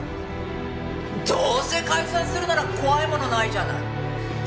どうせ解散するなら怖いものないじゃない。